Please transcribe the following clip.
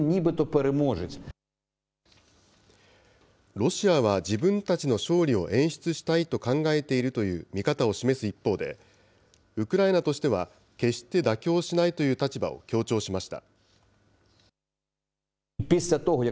ロシアは、自分たちの勝利を演出したいと考えているという見方を示す一方で、ウクライナとしては決して妥協しないという立場を強調しました。